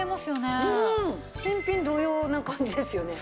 新品同様な感じですよね。